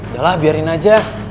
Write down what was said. yalah biarin aja